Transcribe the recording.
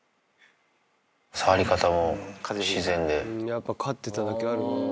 やっぱ飼ってただけあるな。